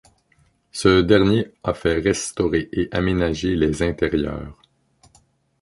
Ce dernier a fait restaurer et aménager les intérieurs.